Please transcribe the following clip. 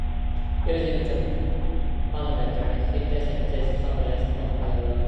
Using the manometer he tested those hypotheses one by one.